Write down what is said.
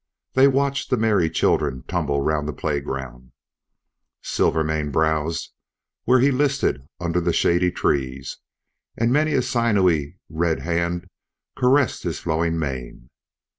They watched the merry children tumble round the playground. Silvermane browsed where he listed under the shady trees, and many a sinewy red hand caressed his flowing mane.